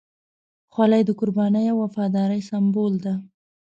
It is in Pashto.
خولۍ د قربانۍ او وفادارۍ سمبول ده.